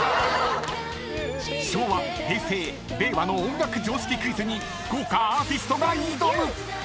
［昭和平成令和の音楽常識クイズに豪華アーティストが挑む！］